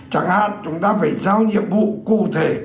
chẳng hạn chúng ta phải giao nhiệm vụ cụ thể